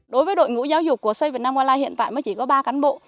đối với đội ngũ giáo dục của say vietnam olai hiện tại mới chỉ có ba cán bộ